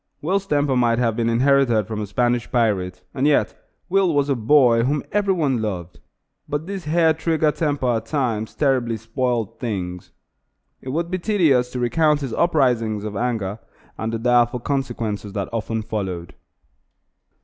Will's temper might have been inherited from a Spanish pirate, and yet Will was a boy whom every one loved; but this hair trigger temper at times terribly spoiled things. It would be tedious to recount his uprisings of anger, and the direful consequences that often followed.